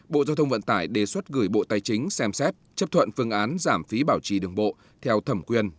bộ giao thông vận tải đề xuất gửi bộ tài chính xem xét chấp thuận phương án giảm phí bảo trì đường bộ theo thẩm quyền